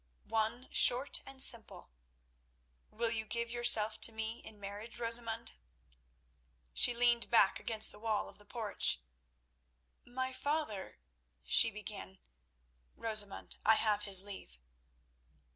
"One short and simple. Will you give yourself to me in marriage, Rosamund?" She leaned back against the wall of the porch. "My father—" she began. "Rosamund, I have his leave."